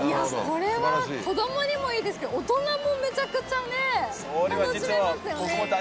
これは子供にもいいですけど大人もめちゃくちゃね楽しめますよね。